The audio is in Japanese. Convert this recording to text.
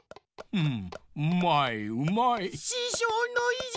うん？